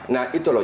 nah itu loh